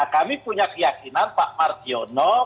kami punya keyakinan pak martiono